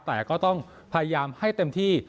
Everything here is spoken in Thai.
แต่ก็ต้องพยายามให้เต็มที่